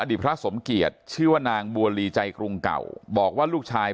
พระสมเกียจชื่อว่านางบัวลีใจกรุงเก่าบอกว่าลูกชาย